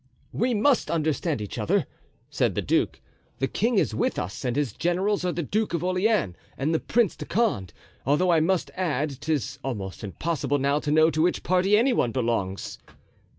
"We must understand each other," said the duke. "The king is with us and his generals are the Duke of Orleans and the Prince de Condé, although I must add 'tis almost impossible now to know to which party any one belongs."